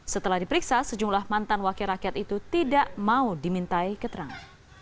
setelah diperiksa sejumlah mantan wakil rakyat itu tidak mau dimintai keterangan